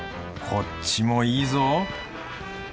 こっちもいいぞ！